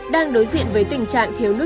đang đối diện với tình trạng này